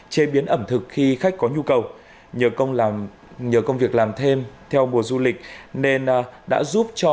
chế biến ẩm thực khi khách có nhu cầu nhờ công việc làm thêm theo mùa du lịch nên đã giúp cho